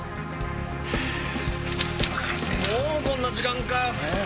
もうこんな時間かくそ！